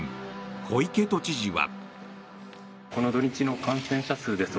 小池都知事は。